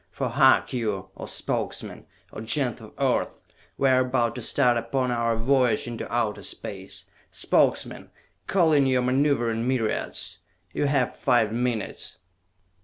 For hark ye, O Spokesmen, O Gens of Earth, we are about to start upon our voyage into outer space! Spokesmen, call in your maneuvering myriads! You have five minutes!"